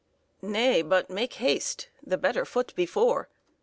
Nay, but make haste, the better foot before.